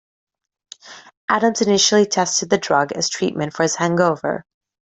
Adams initially tested the drug as treatment for his hangover.